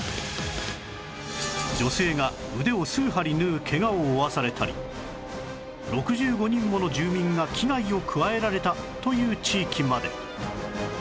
女性が腕を数針縫うケガを負わされたり６５人もの住民が危害を加えられたという地域まで